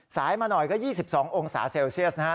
สายมาหน่อยก็๒๒องศาเซลเซียสนะครับ